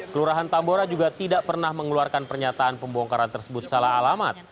kelurahan tambora juga tidak pernah mengeluarkan pernyataan pembongkaran tersebut salah alamat